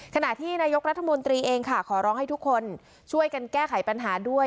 ขณะที่นายกรัฐมนตรีเองค่ะขอร้องให้ทุกคนช่วยกันแก้ไขปัญหาด้วย